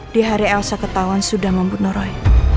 di hari elsa ketahuan sudah membunuh roy